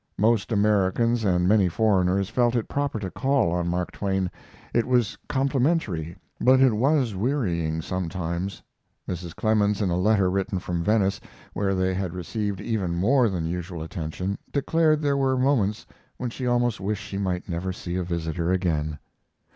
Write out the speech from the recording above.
Most Americans and many foreigners felt it proper to call on Mark Twain. It was complimentary, but it was wearying sometimes. Mrs. Clemens, in a letter written from Venice, where they had received even more than usual attention, declared there were moments when she almost wished she might never see a visitor again.